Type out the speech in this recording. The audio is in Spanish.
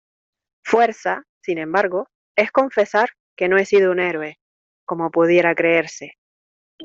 fuerza, sin embargo , es confesar que no he sido un héroe , como pudiera creerse.